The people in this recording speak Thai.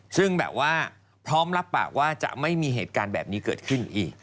ซึ่งแบบว่าพร้อมรับปากว่าจะไม่มีเหตุการณ์แบบนี้เกิดขึ้นอีก